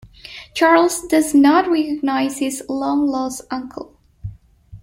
Charles does not recognise his long-lost uncle.